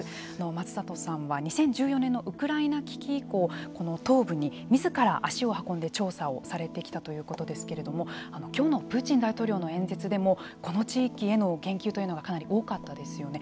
松里さんは２０１４年のウクライナ危機以降東部にみずから足を運んで調査をされてきたということですけれどもきょうのプーチン大統領の演説でもこの地域への言及というのがかなり多かったですよね。